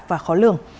và khó lưu